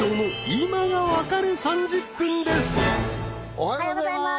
おはようございます！